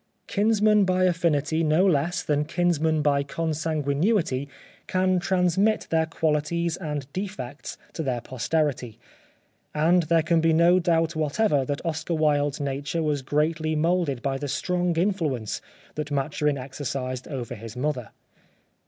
Kinsmen by affinity no less than kinsmen by consanguinity can transmit their qualities and defects to their 40 The Life of Oscar Wilde posterity ; and there can be no doubt whatever that Oscar Wilde's nature was greatly moulded by the strong influence that Maturin exercised over his mother.